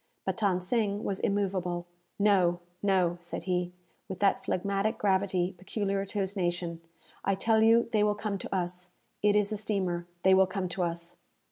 But Than Sing was immoveable. "No, no," said he, with that phlegmatic gravity peculiar to his nation. "I tell you they will come to us. It is a steamer. They will come to us."